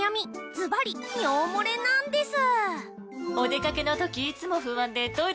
ずばり尿もれなンデス！